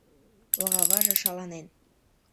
Ораваже шаланен.